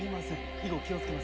以後気をつけます。